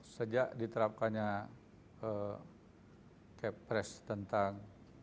sejak diterapkannya cap press tentang